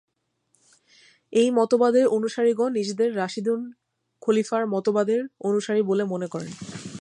এই মতবাদের অনুসারীগণ নিজেদের রাশিদুন খলিফার মতবাদের অনুসারী বলে মনে করেন।